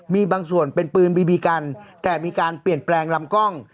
มีบางส่วนเป็นปืนบีบีกันแต่มีการเปลี่ยนแปลงลำกล้อง